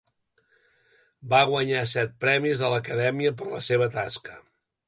Va guanyar set premis de l'Acadèmia per la seva tasca.